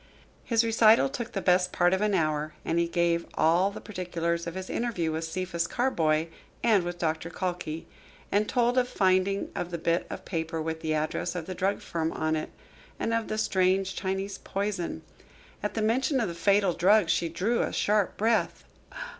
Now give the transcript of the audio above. His recital took the best part of an hour, and he gave all the particulars of his interview with Cephas Carboy and with Doctor Calkey, and told of the finding of the bit of paper with the address of the drug firm on it, and of the strange Chinese poison. At the mention of the fatal drug she drew a sharp breath.